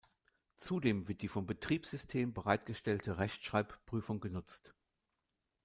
Zudem wird die vom Betriebssystem bereitgestellte Rechtschreibprüfung genutzt.